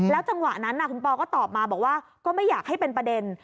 จังหวะนั้นคุณปอก็ตอบมาบอกว่าก็ไม่อยากให้เป็นประเด็น